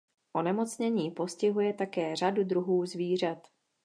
Onemocnění postihuje také řadu druhů zvířat.